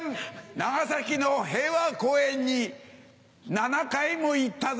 長崎の平和公園に７回も行ったぜ。